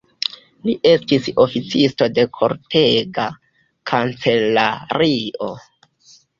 Li estis oficisto de kortega kancelario.